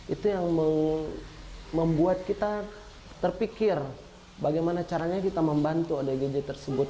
itu yang membuat kita terpikir bagaimana caranya kita membantu odgj tersebut